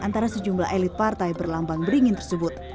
antara sejumlah elit partai berlambang beringin tersebut